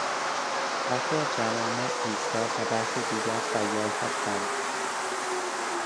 برخی از جوامع ایستا و برخی دیگر سیال هستند.